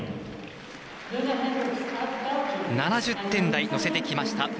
７０点台、乗せてきました。